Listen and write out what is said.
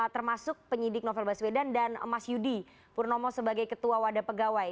termasuk penyidik novel baswedan dan mas yudi purnomo sebagai ketua wadah pegawai